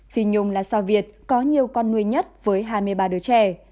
phi nhung là sao việt có nhiều con nuôi nhất với hai mươi ba đứa trẻ